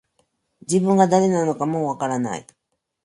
自分が誰なのかもう分からない